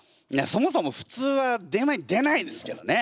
そもそもふつうは電話に出ないですけどね。